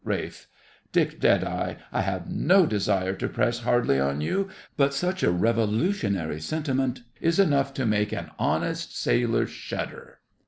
RALPH. Dick Deadeye, I have no desire to press hardly on you, but such a revolutionary sentiment is enough to make an honest sailor shudder.